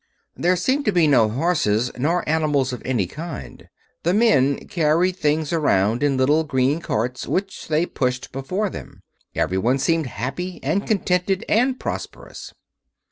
There seemed to be no horses nor animals of any kind; the men carried things around in little green carts, which they pushed before them. Everyone seemed happy and contented and prosperous.